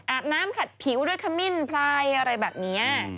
อาบน้ำขัดผิวด้วยขมิ้นพลายอะไรแบบนี้